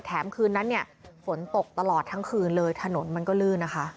คืนนั้นเนี่ยฝนตกตลอดทั้งคืนเลยถนนมันก็ลื่นนะคะ